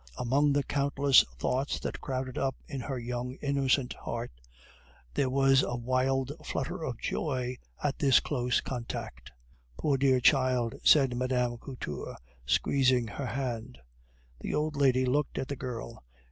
Among the countless thoughts that crowded up in her young innocent heart, there was a wild flutter of joy at this close contact. "Poor, dear child!" said Mme. Couture, squeezing her hand. The old lady looked at the girl.